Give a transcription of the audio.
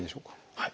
はい。